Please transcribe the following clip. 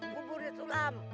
gua buri sulam